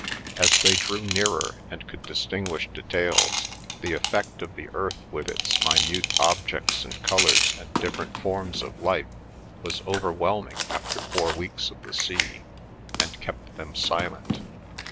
As they drew nearer and could distinguish details, the effect of the earth with its minute objects and colours and different forms of life was overwhelming after four weeks of the sea, and kept them silent.